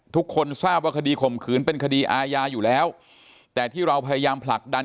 ทุกคนทราบว่าคดีข่มขืนเป็นคดีอาญาอยู่แล้วแต่ที่เราพยายามผลักดัน